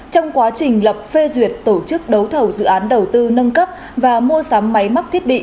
trong quá trình lập phê duyệt tổ chức đấu thầu dự án đầu tư nâng cấp và mua sắm máy mắc thiết bị